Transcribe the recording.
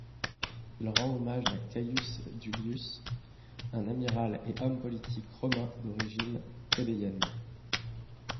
Il rend hommage à Caius Duilius, un amiral et homme politique romain d'origine plébéienne.